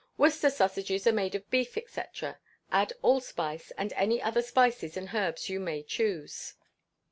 Worcester sausages are made of beef, &c. add allspice, and any other spices and herbs you may choose.